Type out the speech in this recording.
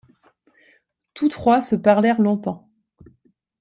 Tous trois se parlèrent longtemps.